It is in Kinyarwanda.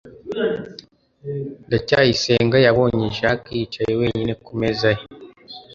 ndacyayisenga yabonye jaki yicaye wenyine ku meza ye